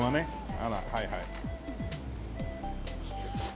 あらはいはい。